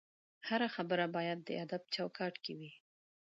هره خبره باید د ادب چوکاټ کې وي